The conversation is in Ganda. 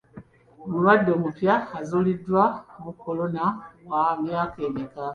Omulwadde omupya azuuliddwamu kolona wa myaka emeka?